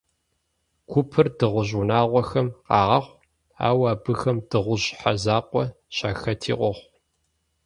Гупыр дыгъужь унагъуэхэм къагъэхъу, ауэ абыхэм дыгъужь щхьэ закъуэ щахэти къохъу.